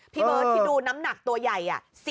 พี่เบิร์ตที่ดูน้ำหนักตัวใหญ่